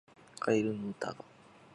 カエルの歌が